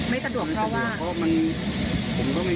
ไม่สะดวกเพราะว่า